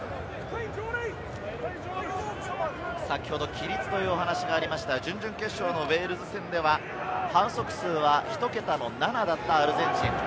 先ほど規律というお話がありました準々決勝のウェールズ戦では、反則数はひと桁の７だったアルゼンチン。